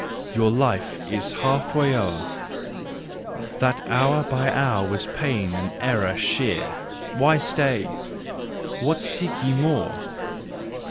Your life is half way o'er ; That hour by hour was pain and error sheer: Why stay ? What seek you more